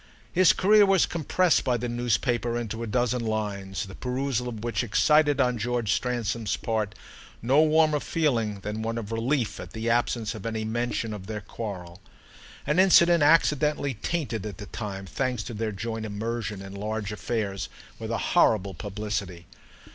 His career was compressed by the newspaper into a dozen lines, the perusal of which excited on George Stransom's part no warmer feeling than one of relief at the absence of any mention of their quarrel, an incident accidentally tainted at the time, thanks to their joint immersion in large affairs, with a horrible publicity.